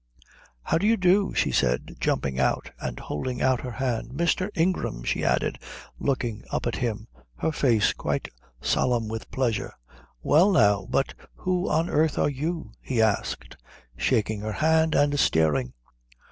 "How do you do?" she said, jumping out and holding out her hand. "Mr. Ingram," she added, looking up at him, her face quite solemn with pleasure. "Well, now, but who on earth are you?" he asked, shaking her hand and staring.